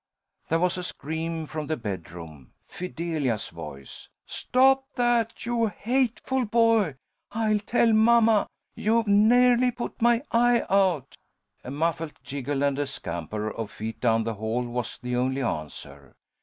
There was a scream from the bedroom, Fidelia's voice. "Stop that, you hateful boy! I'll tell mamma! You've nearly put my eye out." A muffled giggle and a scamper of feet down the hall was the only answer.